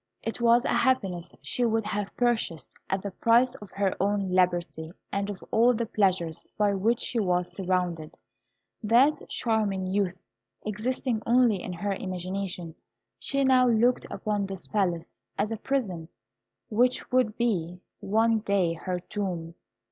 It was a happiness she would have purchased at the price of her own liberty and of all the pleasures by which she was surrounded. That charming youth existing only in her imagination, she now looked upon this palace as a prison which would be one day her tomb.